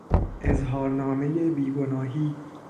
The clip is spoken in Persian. اظهارنامهی بیگناهی